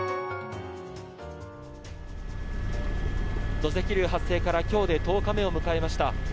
土石流発生から今日で１０日目を迎えました。